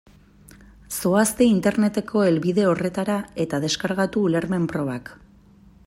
Zoazte Interneteko helbide horretara eta deskargatu ulermen-probak.